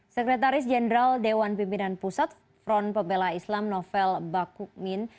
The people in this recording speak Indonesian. sekretaris jenderal dewan pimpinan pusat front pembela islam novel bakukmin